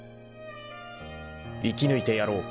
［生きぬいてやろう］